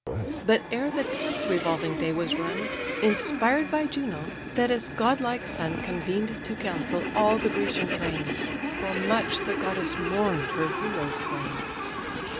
But ere the tenth revolving day was run, Inspired by Juno, Thetis' godlike son Convened to council all the Grecian train; For much the goddess mourn'd her heroes slain.